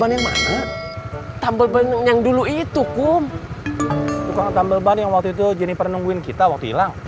itu kan tambalban yang waktu itu jennifer nungguin kita waktu hilang